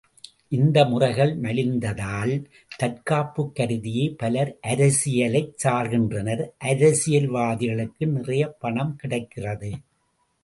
இந்த முறைகள் மலிந்ததால் தற்காப்புக் கருதியே பலர் அரசியலைச் சார்கின்றனர் அரசியல்வாதிகளுக்கு நிறைய பணம் கிடைக்கிறது.